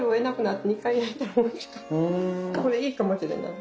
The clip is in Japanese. これいいかもしれない。